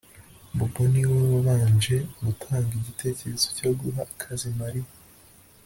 Bobo ni we wabanje gutanga igitekerezo cyo guha akazi Mariya